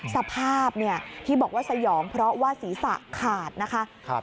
สภาพที่บอกว่าสยองเพราะว่าศีรษะขาดนะคะ